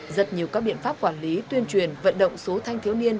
rất nhiều các biện pháp quản lý tuyên truyền vận động số thanh thiếu niên